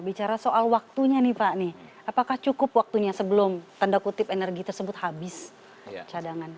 bicara soal waktunya nih pak nih apakah cukup waktunya sebelum tanda kutip energi tersebut habis cadangan